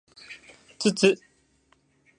つつ